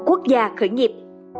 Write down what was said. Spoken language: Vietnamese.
quốc gia khởi nghiệp